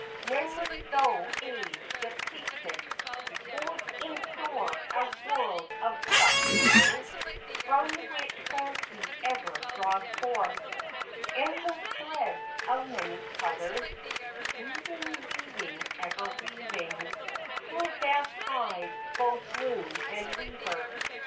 Memory, tho' age depletes it, Holds in store a world of stuffs still, From which fancy ever draws forth Endless threads of many colors; Weaving, weaving, ever weaving, Till death hides both loom and weaver.